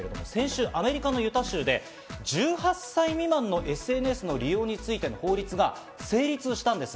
先週、アメリカ・ユタ州で、１８歳未満のＳＮＳ利用についての法律が成立したんです。